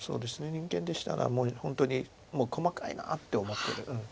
人間でしたらもう本当に細かいなって思ってる。